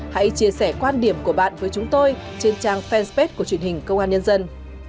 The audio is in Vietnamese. hãy chia sẻ quan điểm của bạn với chúng tôi trên trang fanpage của truyền hình công an nhân dân